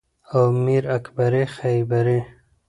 او میر اکبر خیبری